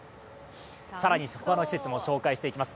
更に他の施設も紹介していきます。